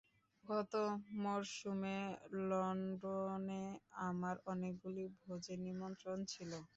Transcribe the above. গত মরসুমে লণ্ডনে আমার অনেকগুলি ভোজের নিমন্ত্রণ ছিল।